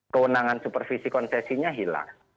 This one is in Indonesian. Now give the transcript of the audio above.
kewenangan supervisi kontesinya hilang